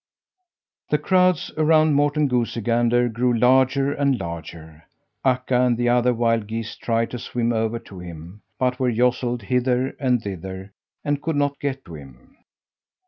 The crowds around Morten Goosey Gander grew larger and larger. Akka and the other wild geese tried to swim over to him, but were jostled hither and thither and could not get to him.